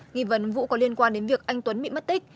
nghị vấn vụ có liên quan đến việc anh tuấn bị mất tích